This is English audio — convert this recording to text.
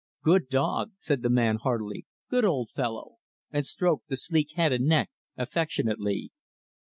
"Good dog," said the man, heartily, "good old fellow," and stroked the sleek head and neck, affectionately.